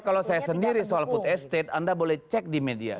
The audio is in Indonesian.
kalau saya sendiri soal food estate anda boleh cek di media